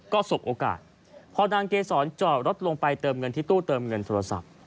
ก็สบโอกาสพอนางเกษรจอดรถลงไปเติมเงินที่ตู้เติมเงินโทรศัพท์